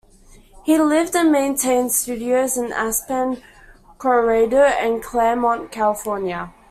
He lived and maintained studios in Aspen, Colorado and Claremont, California.